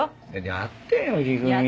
やってよ一二三。